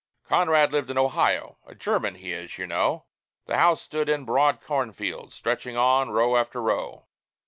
Conrad lived in Ohio a German he is, you know The house stood in broad corn fields, stretching on, row after row.